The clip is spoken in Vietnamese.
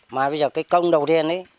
mà bây giờ cái công đầu tiên ý